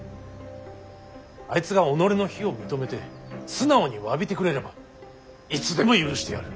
あいつが己の非を認めて素直にわびてくれればいつでも許してやる。